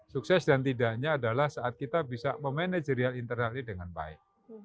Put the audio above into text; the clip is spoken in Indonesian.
sukses dan tidaknya adalah saat kita bisa memanajerial internal ini dengan baik